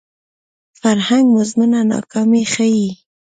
فرهنګ مزمنه ناکامي ښيي